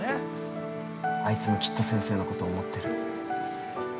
あいつもきっと先生のことを思ってる。